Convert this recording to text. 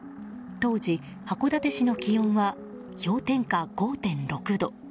当時、函館市の気温は氷点下５．６度。